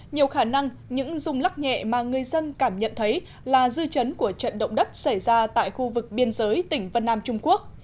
nhiều khả năng những rung lắc nhẹ mà người dân cảm nhận thấy là dư chấn của trận động đất xảy ra tại khu vực biên giới tỉnh vân nam trung quốc